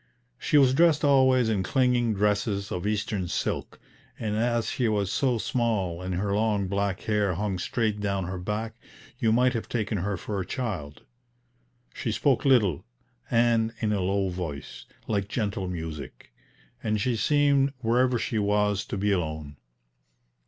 She was dressed always in clinging dresses of Eastern silk, and as she was so small, and her long black hair hung straight down her back, you might have taken her for a child. She spoke little, and in a low voice, like gentle music; and she seemed, wherever she was, to be alone.